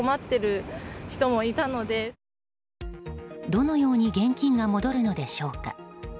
どのように現金が戻るのでしょうか。